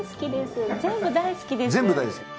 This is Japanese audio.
大好きです。